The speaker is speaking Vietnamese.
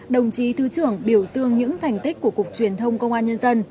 đồng chí thứ trưởng biểu dương những thành tích của cục truyền thông công an nhân dân